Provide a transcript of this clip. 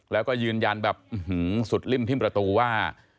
แล้วก็ยืนยันแบบสุดริ่มทิ้มประตูว่า